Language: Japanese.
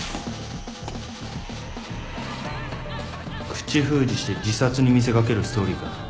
・口封じして自殺に見せ掛けるストーリーか。